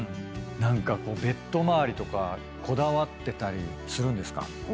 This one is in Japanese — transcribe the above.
何かベッド周りとかこだわってたりするんですか？